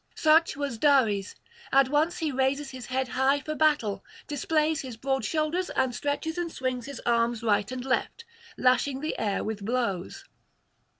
Such was Dares; at once he raises his head high for battle, displays his broad shoulders, and stretches and swings his arms right and left, lashing the air with blows.